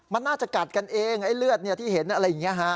มันน่าจะกัดกันเองไอ้เลือดที่เห็นอะไรอย่างนี้ฮะ